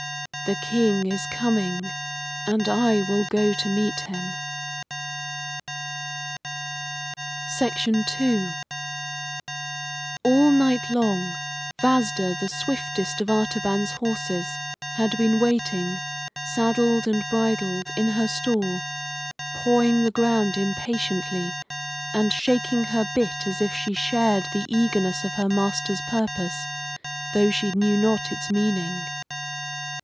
"The King is coming, and I will go to meet him." II All night long, Vasda, the swiftest of Artaban's horses, had been waiting, saddled and bridled, in her stall, pawing the ground impatiently, and shaking her bit as if she shared the eagerness of her master's purpose, though she knew not its meaning.